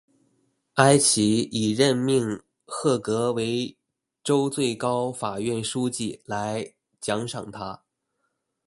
埃奇以任命赫格为州最高法院书记来奖赏他。